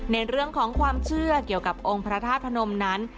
ในเรื่องของความเชื่อเกี่ยวกับองค์พระธาตุพนมนั้น